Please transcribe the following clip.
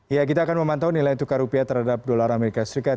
ya kita akan memantau nilai tukar rupiah terhadap dolar amerika serikat